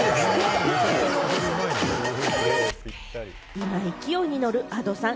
今、勢いにのるＡｄｏさん。